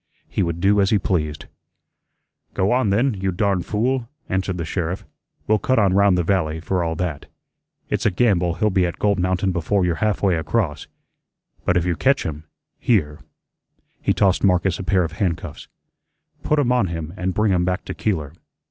He would do as he pleased. "Go on, then, you darn fool," answered the sheriff. "We'll cut on round the valley, for all that. It's a gamble he'll be at Gold Mountain before you're half way across. But if you catch him, here" he tossed Marcus a pair of handcuffs "put 'em on him and bring him back to Keeler."